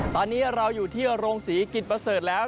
ตอนนี้เราอยู่ที่โรงศรีกิจประเสริฐแล้ว